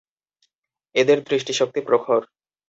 এদের দৃষ্টিশক্তি প্রখর।